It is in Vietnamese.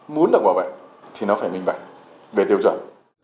muốn được bảo vệ thì nó phải minh bạch về tiêu chuẩn